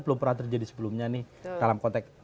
belum pernah terjadi sebelumnya nih dalam konteks